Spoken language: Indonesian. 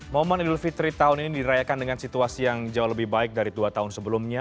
momen idul fitri tahun ini dirayakan dengan situasi yang jauh lebih baik dari dua tahun sebelumnya